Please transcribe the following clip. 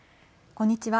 こんにちは。